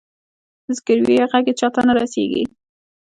د زګیرویو ږغ یې چاته نه رسیږې